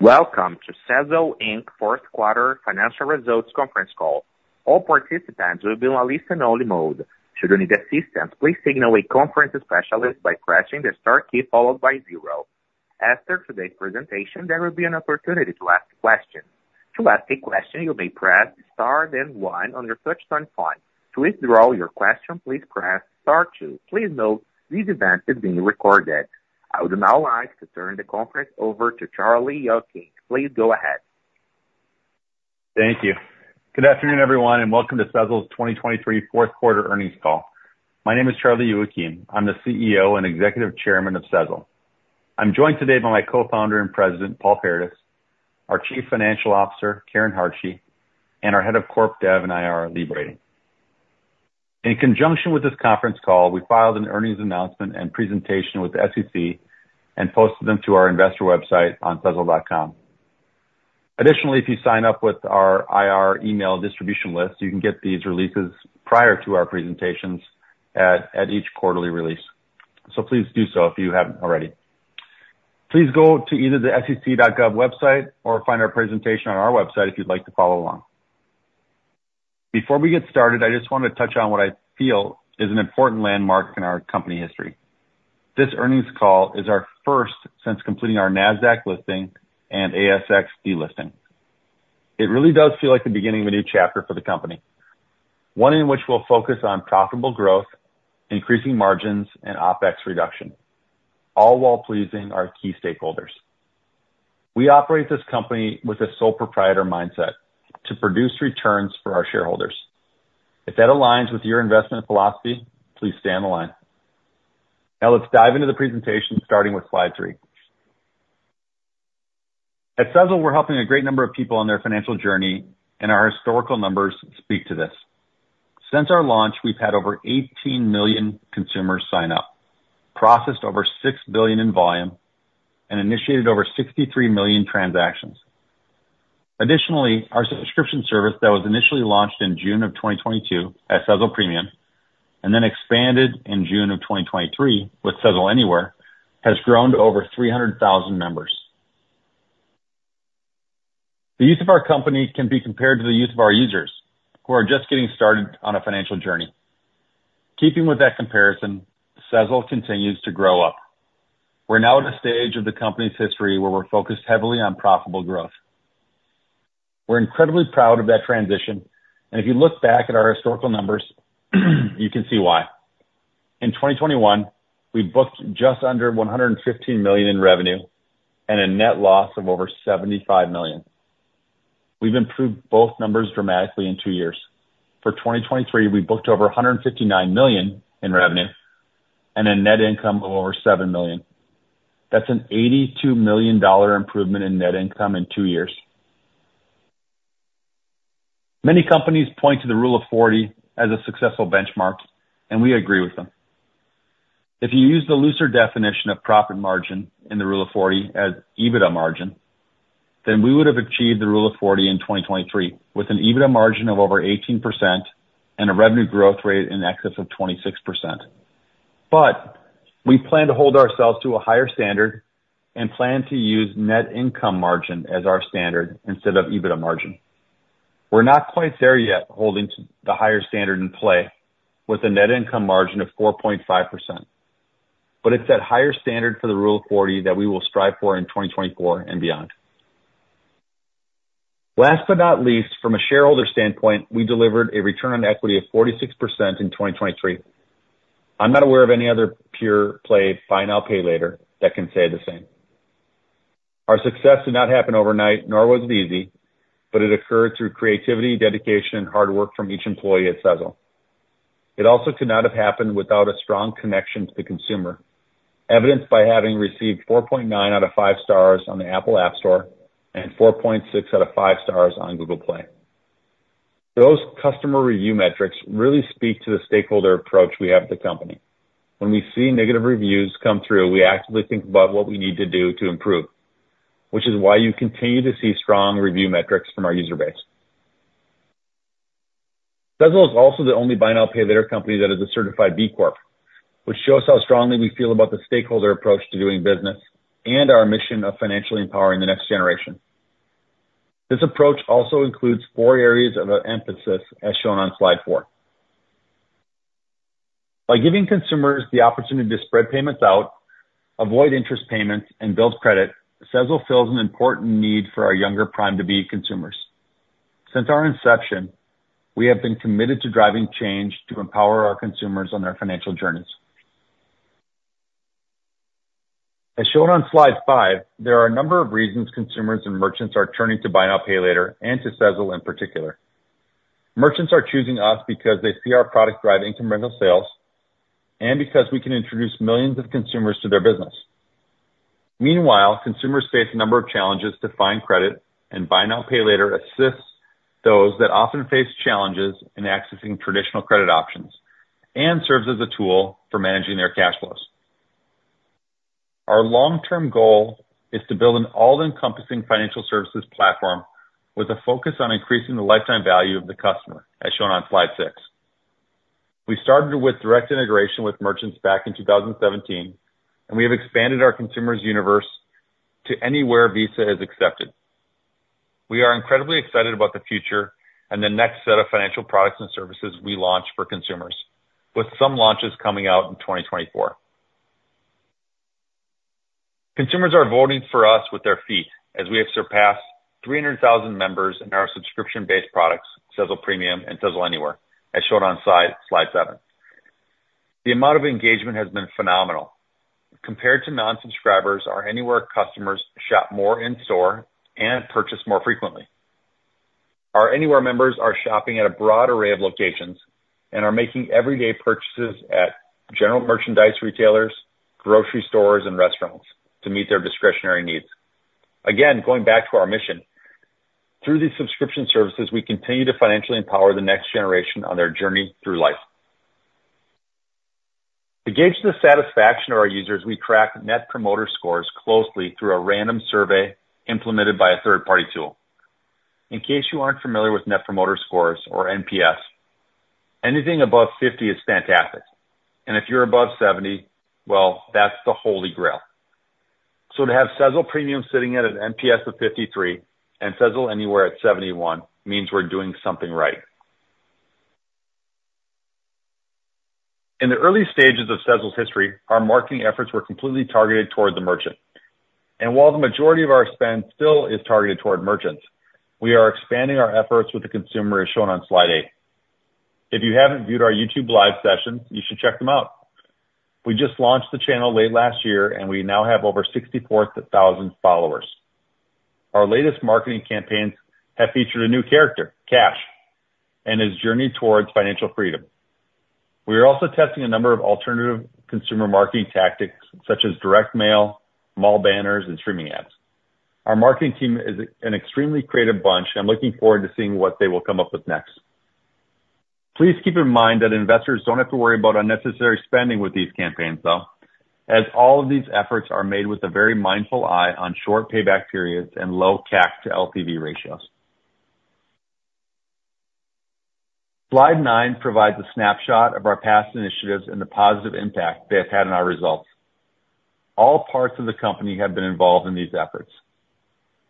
Welcome to Sezzle Inc. Fourth Quarter Financial Results Conference Call. All participants will be in a listen-only mode. Should you need assistance, please signal a conference specialist by pressing the star key followed by 0. After today's presentation, there will be an opportunity to ask questions. To ask a question, you may press star then 1 on your touchscreen phone. To withdraw your question, please press star 2. Please note, this event is being recorded. I would now like to turn the conference over to Charlie Youakim. Please go ahead. Thank you. Good afternoon, everyone, and welcome to Sezzle's 2023 Fourth Quarter Earnings Call. My name is Charlie Youakim. I'm the CEO and Executive Chairman of Sezzle. I'm joined today by my co-founder and President, Paul Paradis, our Chief Financial Officer, Karen Hartje, and our Head of Corp Dev and IR, Lee Brading. In conjunction with this conference call, we filed an earnings announcement and presentation with the SEC and posted them to our investor website on sezzle.com. Additionally, if you sign up with our IR email distribution list, you can get these releases prior to our presentations at each quarterly release. So please do so if you haven't already. Please go to either the sec.gov website or find our presentation on our website if you'd like to follow along. Before we get started, I just want to touch on what I feel is an important landmark in our company history. This earnings call is our first since completing our NASDAQ listing and ASX delisting. It really does feel like the beginning of a new chapter for the company, one in which we'll focus on profitable growth, increasing margins, and OpEx reduction, all while pleasing our key stakeholders. We operate this company with a sole proprietor mindset to produce returns for our shareholders. If that aligns with your investment philosophy, please stay on the line. Now let's dive into the presentation, starting with slide 3. At Sezzle, we're helping a great number of people on their financial journey, and our historical numbers speak to this. Since our launch, we've had over 18 million consumers sign up, processed over $6 billion in volume, and initiated over 63 million transactions. Additionally, our subscription service that was initially launched in June of 2022 as Sezzle Premium and then expanded in June of 2023 with Sezzle Anywhere has grown to over 300,000 members. The use of our company can be compared to the use of our users, who are just getting started on a financial journey. Keeping with that comparison, Sezzle continues to grow up. We're now at a stage of the company's history where we're focused heavily on profitable growth. We're incredibly proud of that transition, and if you look back at our historical numbers, you can see why. In 2021, we booked just under $115 million in revenue and a net loss of over $75 million. We've improved both numbers dramatically in two years. For 2023, we booked over $159 million in revenue and a net income of over $7 million. That's an $82 million improvement in net income in two years. Many companies point to the Rule of 40 as a successful benchmark, and we agree with them. If you use the looser definition of profit margin in the Rule of 40 as EBITDA margin, then we would have achieved the Rule of 40 in 2023 with an EBITDA margin of over 18% and a revenue growth rate in excess of 26%. But we plan to hold ourselves to a higher standard and plan to use net income margin as our standard instead of EBITDA margin. We're not quite there yet holding the higher standard in play with a net income margin of 4.5%. But it's that higher standard for the Rule of 40 that we will strive for in 2024 and beyond. Last but not least, from a shareholder standpoint, we delivered a return on equity of 46% in 2023. I'm not aware of any other peer play buy now, pay later that can say the same. Our success did not happen overnight, nor was it easy, but it occurred through creativity, dedication, and hard work from each employee at Sezzle. It also could not have happened without a strong connection to the consumer, evidenced by having received 4.9 out of five stars on the Apple App Store and 4.6 out of five stars on Google Play. Those customer review metrics really speak to the stakeholder approach we have at the company. When we see negative reviews come through, we actively think about what we need to do to improve, which is why you continue to see strong review metrics from our user base. Sezzle is also the only buy now, pay later company that is a certified B Corp, which shows how strongly we feel about the stakeholder approach to doing business and our mission of financially empowering the next generation. This approach also includes four areas of emphasis, as shown on slide 4. By giving consumers the opportunity to spread payments out, avoid interest payments, and build credit, Sezzle fills an important need for our younger Prime-to-be consumers. Since our inception, we have been committed to driving change to empower our consumers on their financial journeys. As shown on slide 5, there are a number of reasons consumers and merchants are turning to buy now, pay later, and to Sezzle in particular. Merchants are choosing us because they see our product drive income revenue sales and because we can introduce millions of consumers to their business. Meanwhile, consumers face a number of challenges to find credit, and buy now, pay later assists those that often face challenges in accessing traditional credit options and serves as a tool for managing their cash flows. Our long-term goal is to build an all-encompassing financial services platform with a focus on increasing the lifetime value of the customer, as shown on slide 6. We started with direct integration with merchants back in 2017, and we have expanded our consumers' universe to anywhere Visa is accepted. We are incredibly excited about the future and the next set of financial products and services we launch for consumers, with some launches coming out in 2024. Consumers are voting for us with their feet as we have surpassed 300,000 members in our subscription-based products, Sezzle Premium and Sezzle Anywhere, as shown on slide 7. The amount of engagement has been phenomenal. Compared to non-subscribers, our Anywhere customers shop more in-store and purchase more frequently. Our Anywhere members are shopping at a broad array of locations and are making everyday purchases at general merchandise retailers, grocery stores, and restaurants to meet their discretionary needs. Again, going back to our mission, through these subscription services, we continue to financially empower the next generation on their journey through life. To gauge the satisfaction of our users, we track Net Promoter Scores closely through a random survey implemented by a third-party tool. In case you aren't familiar with Net Promoter scores or NPS, anything above 50 is fantastic. And if you're above 70, well, that's the holy grail. So to have Sezzle Premium sitting at an NPS of 53 and Sezzle Anywhere at 71 means we're doing something right. In the early stages of Sezzle's history, our marketing efforts were completely targeted toward the merchant. While the majority of our spend still is targeted toward merchants, we are expanding our efforts with the consumer, as shown on slide 8. If you haven't viewed our YouTube live sessions, you should check them out. We just launched the channel late last year, and we now have over 64,000 followers. Our latest marketing campaigns have featured a new character, Cash, and his journey toward financial freedom. We are also testing a number of alternative consumer marketing tactics, such as direct mail, mall banners, and streaming ads. Our marketing team is an extremely creative bunch, and I'm looking forward to seeing what they will come up with next. Please keep in mind that investors don't have to worry about unnecessary spending with these campaigns, though, as all of these efforts are made with a very mindful eye on short payback periods and low CAC to LTV ratios. Slide 9 provides a snapshot of our past initiatives and the positive impact they have had on our results. All parts of the company have been involved in these efforts.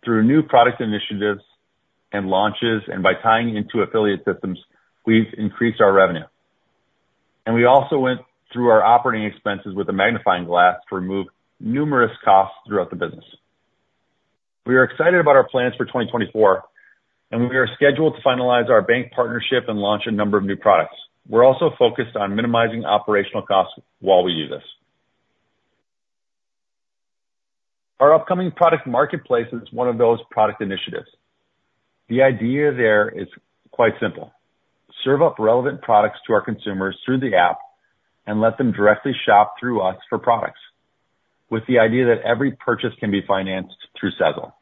Through new product initiatives and launches and by tying into affiliate systems, we've increased our revenue. We also went through our operating expenses with a magnifying glass to remove numerous costs throughout the business. We are excited about our plans for 2024, and we are scheduled to finalize our bank partnership and launch a number of new products. We're also focused on minimizing operational costs while we do this. Our upcoming product marketplace is one of those product initiatives. The idea there is quite simple: serve up relevant products to our consumers through the app and let them directly shop through us for products, with the idea that every purchase can be financed through Sezzle.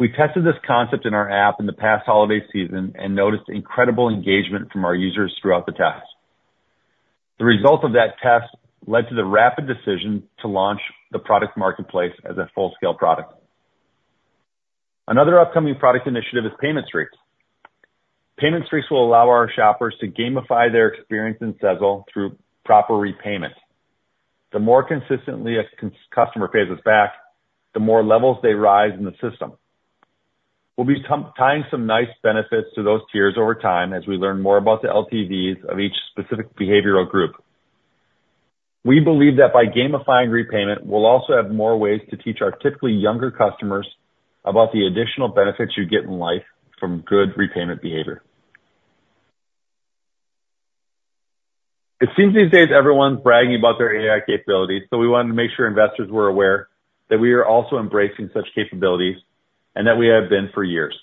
We tested this concept in our app in the past holiday season and noticed incredible engagement from our users throughout the test. The result of that test led to the rapid decision to launch the product marketplace as a full-scale product. Another upcoming product initiative is Payment Streaks. Payment Streaks will allow our shoppers to gamify their experience in Sezzle through proper repayment. The more consistently a customer pays us back, the more levels they rise in the system. We'll be tying some nice benefits to those tiers over time as we learn more about the LTVs of each specific behavioral group. We believe that by gamifying repayment, we'll also have more ways to teach our typically younger customers about the additional benefits you get in life from good repayment behavior. It seems these days everyone's bragging about their AI capabilities, so we wanted to make sure investors were aware that we are also embracing such capabilities and that we have been for years.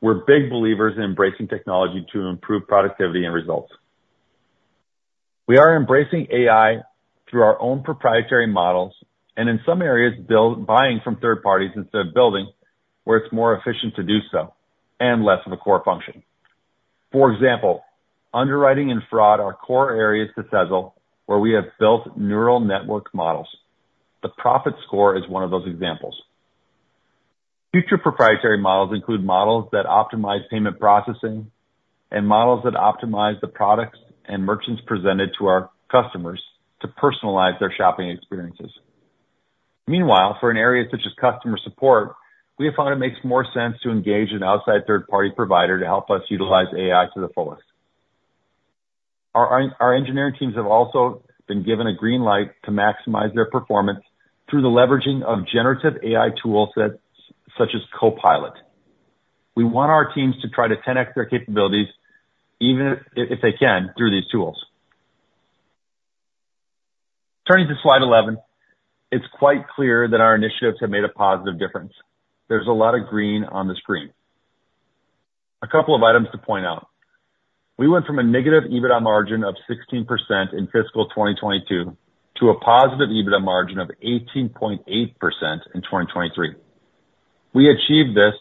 We're big believers in embracing technology to improve productivity and results. We are embracing AI through our own proprietary models and in some areas buying from third parties instead of building, where it's more efficient to do so and less of a core function. For example, underwriting and fraud are core areas to Sezzle where we have built neural network models. The Profit Score is one of those examples. Future proprietary models include models that optimize payment processing and models that optimize the products and merchants presented to our customers to personalize their shopping experiences. Meanwhile, for an area such as customer support, we have found it makes more sense to engage an outside third-party provider to help us utilize AI to the fullest. Our engineering teams have also been given a green light to maximize their performance through the leveraging of generative AI toolsets such as Copilot. We want our teams to try to 10x their capabilities, even if they can, through these tools. Turning to slide 11, it's quite clear that our initiatives have made a positive difference. There's a lot of green on the screen. A couple of items to point out. We went from a negative EBITDA margin of 16% in fiscal 2022 to a positive EBITDA margin of 18.8% in 2023. We achieved this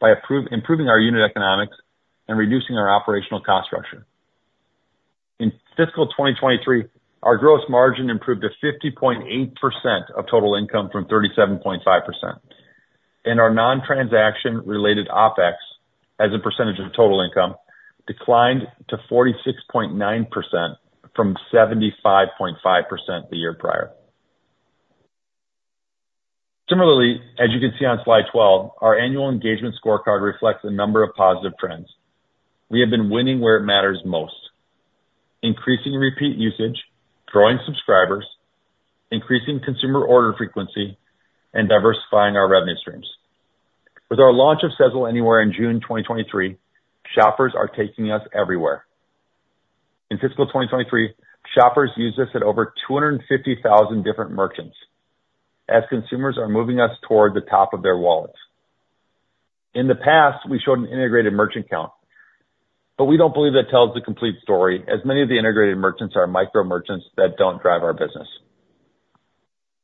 by improving our unit economics and reducing our operational cost structure. In fiscal 2023, our gross margin improved to 50.8% of total income from 37.5%. Our non-transaction-related OpEx, as a percentage of total income, declined to 46.9% from 75.5% the year prior. Similarly, as you can see on slide 12, our annual engagement scorecard reflects a number of positive trends. We have been winning where it matters most: increasing repeat usage, growing subscribers, increasing consumer order frequency, and diversifying our revenue streams. With our launch of Sezzle Anywhere in June 2023, shoppers are taking us everywhere. In fiscal 2023, shoppers use us at over 250,000 different merchants, as consumers are moving us toward the top of their wallets. In the past, we showed an integrated merchant count, but we don't believe that tells the complete story, as many of the integrated merchants are micro merchants that don't drive our business.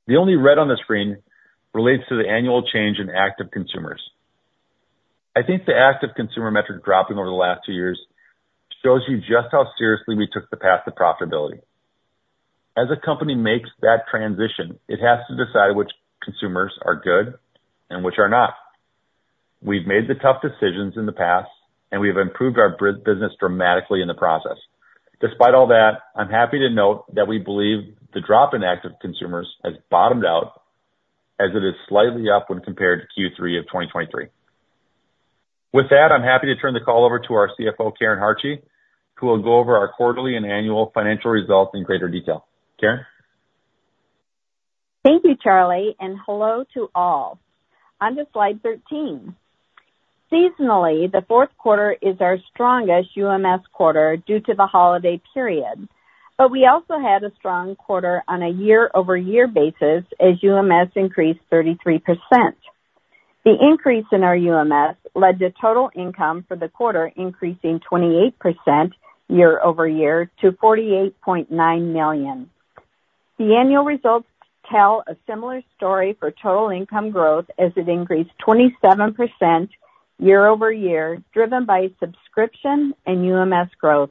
The only red on the screen relates to the annual change in active consumers. I think the active consumer metric dropping over the last two years shows you just how seriously we took the path to profitability. As a company makes that transition, it has to decide which consumers are good and which are not. We've made the tough decisions in the past, and we have improved our business dramatically in the process. Despite all that, I'm happy to note that we believe the drop in active consumers has bottomed out as it is slightly up when compared to Q3 of 2023. With that, I'm happy to turn the call over to our CFO, Karen Hartje, who will go over our quarterly and annual financial results in greater detail. Karen? Thank you, Charlie, and hello to all. Onto slide 13. Seasonally, the fourth quarter is our strongest UMS quarter due to the holiday period. We also had a strong quarter on a year-over-year basis as UMS increased 33%. The increase in our UMS led to total income for the quarter increasing 28% year-over-year to $48.9 million. The annual results tell a similar story for total income growth as it increased 27% year-over-year, driven by subscription and UMS growth.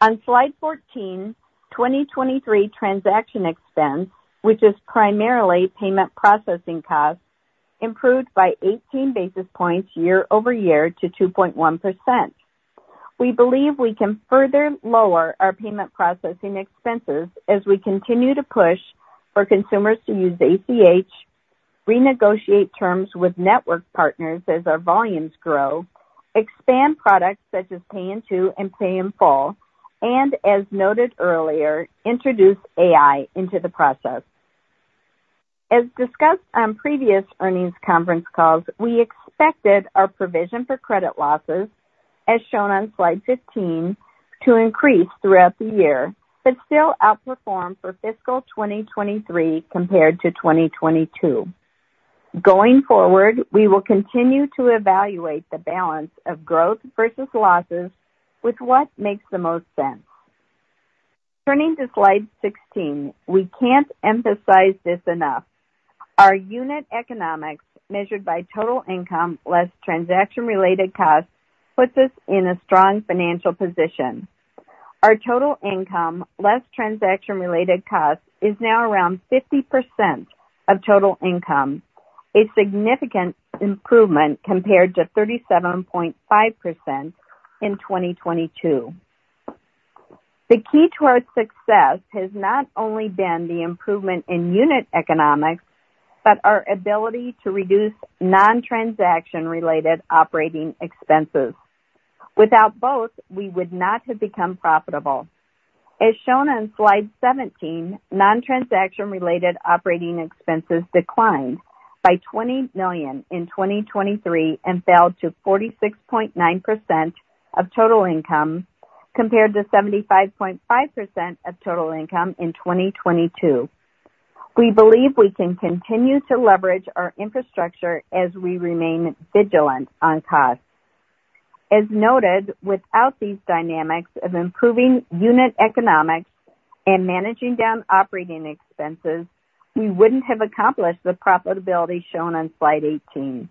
On slide 14, 2023 transaction expense, which is primarily payment processing costs, improved by 18 basis points year-over-year to 2.1%. We believe we can further lower our payment processing expenses as we continue to push for consumers to use ACH, renegotiate terms with network partners as our volumes grow, expand products such as Pay in 2 and Pay in Full, and, as noted earlier, introduce AI into the process. As discussed on previous earnings conference calls, we expected our provision for credit losses, as shown on slide 15, to increase throughout the year but still outperform for fiscal 2023 compared to 2022. Going forward, we will continue to evaluate the balance of growth versus losses with what makes the most sense. Turning to slide 16, we can't emphasize this enough. Our unit economics, measured by total income less transaction-related costs, puts us in a strong financial position. Our total income less transaction-related costs is now around 50% of total income, a significant improvement compared to 37.5% in 2022. The key to our success has not only been the improvement in unit economics but our ability to reduce non-transaction-related operating expenses. Without both, we would not have become profitable. As shown on slide 17, non-transaction-related operating expenses declined by $20 million in 2023 and fell to 46.9% of total income compared to 75.5% of total income in 2022. We believe we can continue to leverage our infrastructure as we remain vigilant on costs. As noted, without these dynamics of improving unit economics and managing down operating expenses, we wouldn't have accomplished the profitability shown on slide 18.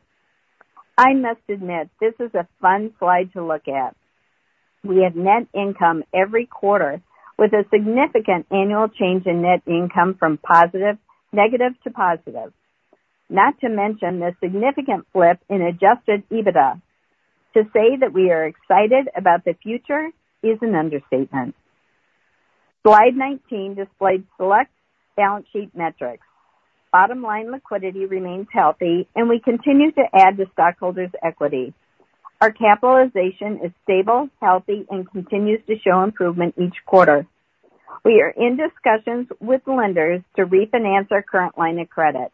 I must admit, this is a fun slide to look at. We have net income every quarter with a significant annual change in net income from positive, negative to positive, not to mention the significant flip in adjusted EBITDA. To say that we are excited about the future is an understatement. Slide 19 displays select balance sheet metrics. Bottom line liquidity remains healthy, and we continue to add to stockholders' equity. Our capitalization is stable, healthy, and continues to show improvement each quarter. We are in discussions with lenders to refinance our current line of credit.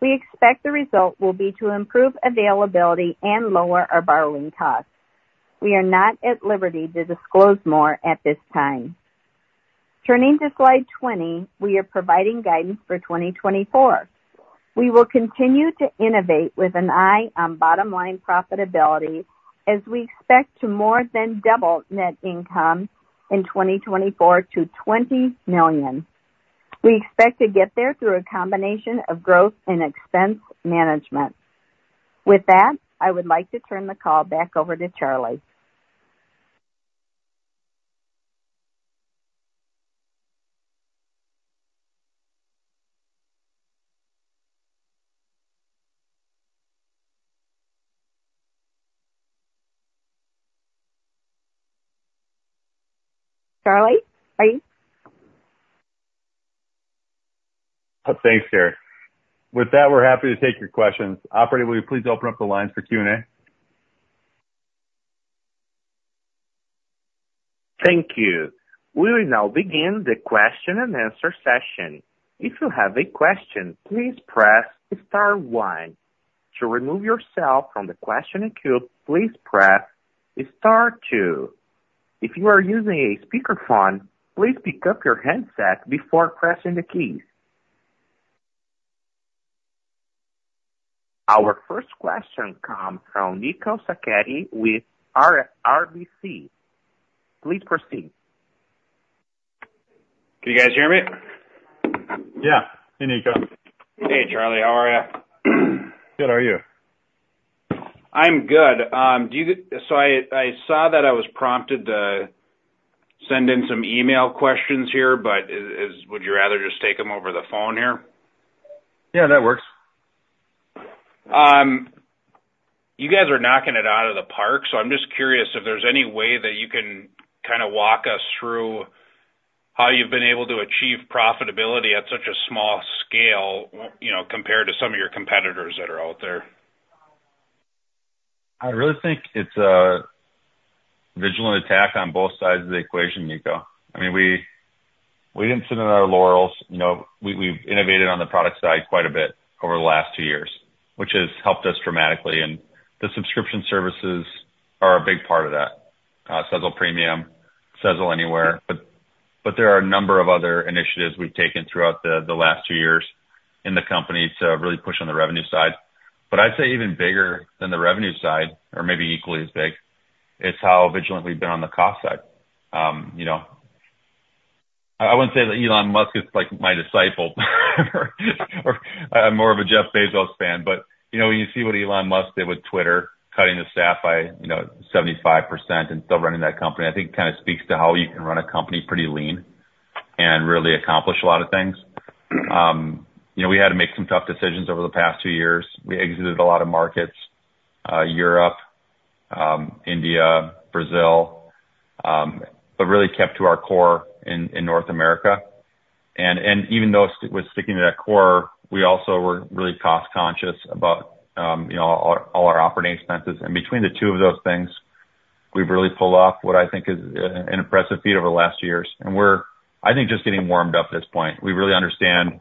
We expect the result will be to improve availability and lower our borrowing costs. We are not at liberty to disclose more at this time. Turning to slide 20, we are providing guidance for 2024. We will continue to innovate with an eye on bottom line profitability as we expect to more than double net income in 2024 to $20 million. We expect to get there through a combination of growth and expense management. With that, I would like to turn the call back over to Charlie. Charlie, are you? Thanks, Karen. With that, we're happy to take your questions. Operator, will you please open up the lines for Q&A? Thank you. We will now begin the question and answer session. If you have a question, please press star one. To remove yourself from the questioning queue, please press star two. If you are using a speakerphone, please pick up your headset before pressing the keys. Our first question comes from Nico Sacchetti with RBC. Please proceed. Can you guys hear me? Yeah. Hey, Nico. Hey, Charlie. How are you? Good. How are you? I'm good. So I saw that I was prompted to send in some email questions here, but would you rather just take them over the phone here? Yeah, that works. You guys are knocking it out of the park, so I'm just curious if there's any way that you can kind of walk us through how you've been able to achieve profitability at such a small scale compared to some of your competitors that are out there. I really think it's a vigilant attack on both sides of the equation, Nico. I mean, we didn't rest on our laurels. We've innovated on the product side quite a bit over the last two years, which has helped us dramatically. And the subscription services are a big part of that: Sezzle Premium, Sezzle Anywhere. But there are a number of other initiatives we've taken throughout the last two years in the company to really push on the revenue side. But I'd say even bigger than the revenue side, or maybe equally as big, is how vigilant we've been on the cost side. I wouldn't say that Elon Musk is my disciple or I'm more of a Jeff Bezos fan. But when you see what Elon Musk did with Twitter, cutting the staff by 75% and still running that company, I think it kind of speaks to how you can run a company pretty lean and really accomplish a lot of things. We had to make some tough decisions over the past two years. We exited a lot of markets: Europe, India, Brazil, but really kept to our core in North America. And even though it was sticking to that core, we also were really cost-conscious about all our operating expenses. And between the two of those things, we've really pulled off what I think is an impressive feat over the last two years. And we're, I think, just getting warmed up at this point. We really understand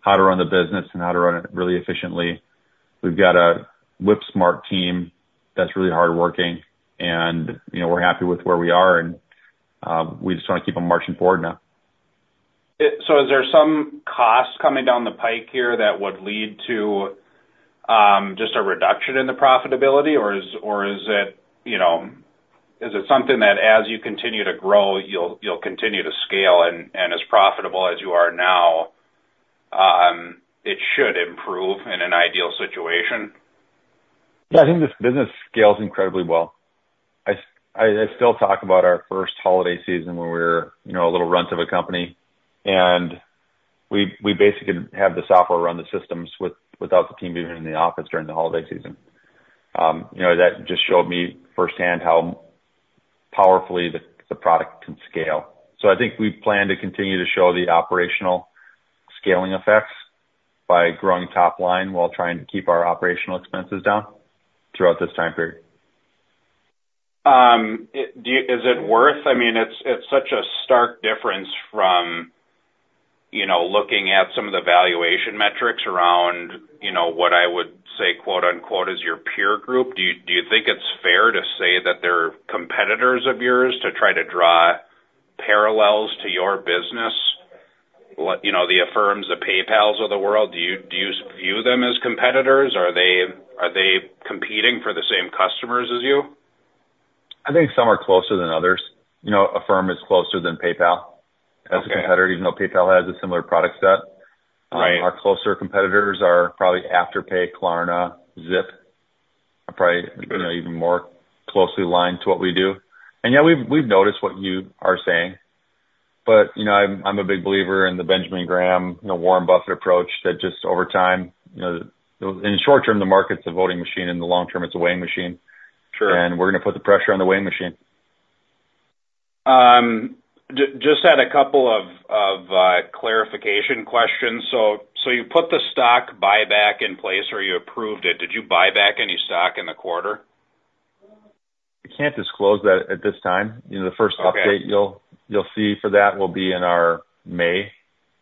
how to run the business and how to run it really efficiently. We've got a whip-smart team that's really hardworking, and we're happy with where we are. And we just want to keep them marching forward now. So is there some cost coming down the pike here that would lead to just a reduction in the profitability, or is it something that, as you continue to grow, you'll continue to scale? And as profitable as you are now, it should improve in an ideal situation? Yeah, I think this business scales incredibly well. I still talk about our first holiday season when we were a little runt of a company. And we basically had the software run the systems without the team being in the office during the holiday season. That just showed me firsthand how powerfully the product can scale. So I think we plan to continue to show the operational scaling effects by growing top line while trying to keep our operational expenses down throughout this time period. Is it worth? I mean, it's such a stark difference from looking at some of the valuation metrics around what I would say, quote-unquote, "is your peer group." Do you think it's fair to say that they're competitors of yours to try to draw parallels to your business, the Affirms, the PayPals of the world? Do you view them as competitors? Are they competing for the same customers as you? I think some are closer than others. Affirm is closer than PayPal as a competitor, even though PayPal has a similar product set. Our closer competitors are probably Afterpay, Klarna, Zip, probably even more closely aligned to what we do. Yeah, we've noticed what you are saying. I'm a big believer in the Benjamin Graham, Warren Buffett approach that just over time in the short term, the market's a voting machine. In the long term, it's a weighing machine. And we're going to put the pressure on the weighing machine. Just had a couple of clarification questions. So you put the stock buyback in place or you approved it. Did you buy back any stock in the quarter? I can't disclose that at this time. The first update you'll see for that will be in our May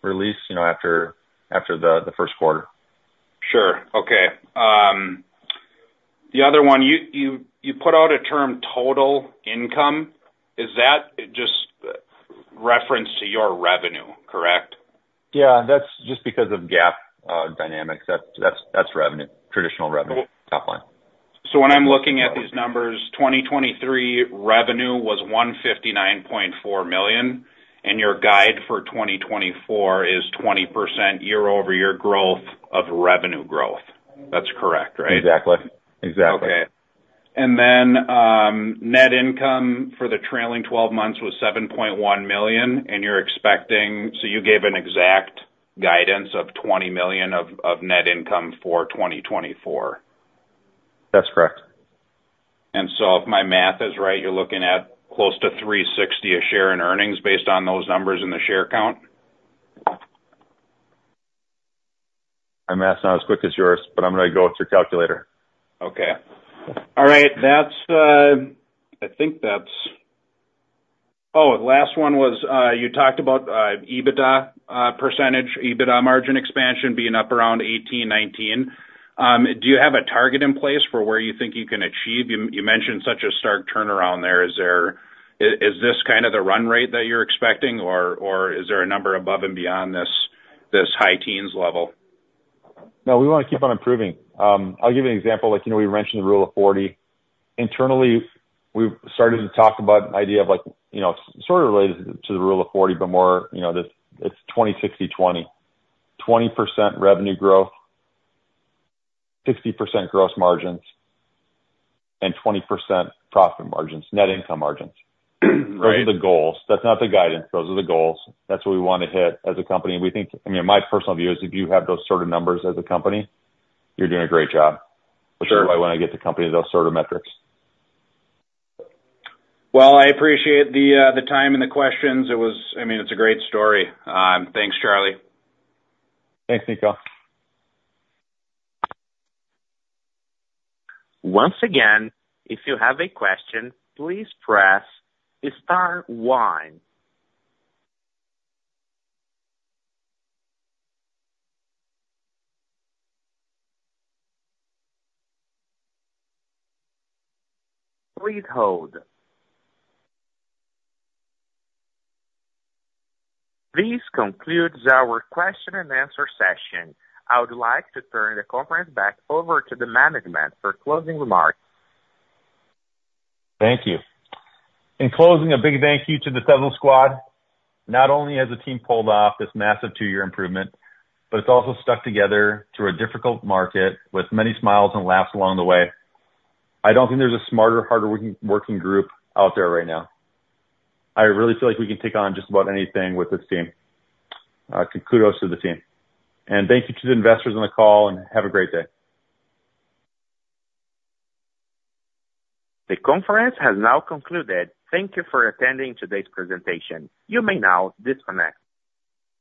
release after the first quarter. Sure. Okay. The other one, you put out a term total income. Is that just reference to your revenue, correct? Yeah, that's just because of GAAP dynamics. That's revenue, traditional revenue, top line. So when I'm looking at these numbers, 2023 revenue was $159.4 million, and your guide for 2024 is 20% year-over-year growth of revenue growth. That's correct, right? Exactly. Exactly. Okay. And then net income for the trailing 12 months was $7.1 million, and you're expecting so you gave an exact guidance of $20 million of net income for 2024? That's correct. And so if my math is right, you're looking at close to $3.60 a share in earnings based on those numbers and the share count? My math's not as quick as yours, but I'm going to go with your calculator. Okay. All right. I think that's oh, last one was you talked about EBITDA percentage, EBITDA margin expansion being up around 18%-19%. Do you have a target in place for where you think you can achieve? You mentioned such a stark turnaround there. Is this kind of the run rate that you're expecting, or is there a number above and beyond this high teens level? No, we want to keep on improving. I'll give you an example. We mentioned the rule of 40. Internally, we've started to talk about an idea of it's sort of related to the rule of 40, but more it's 20, 60, 20: 20% revenue growth, 60% gross margins, and 20% profit margins, net income margins. Those are the goals. That's not the guidance. Those are the goals. That's what we want to hit as a company. I mean, my personal view is if you have those sort of numbers as a company, you're doing a great job, which is why I want to get the company those sort of metrics. Well, I appreciate the time and the questions. I mean, it's a great story. Thanks, Charlie. Thanks, Nico. Once again, if you have a question, please press star one. Please hold. This concludes our question and answer session. I would like to turn the conference back over to the management for closing remarks. Thank you. In closing, a big thank you to the Sezzle squad. Not only has the team pulled off this massive two-year improvement, but it's also stuck together through a difficult market with many smiles and laughs along the way. I don't think there's a smarter, harder-working group out there right now. I really feel like we can take on just about anything with this team. Kudos to the team. Thank you to the investors on the call, and have a great day. The conference has now concluded. Thank you for attending today's presentation. You may now disconnect.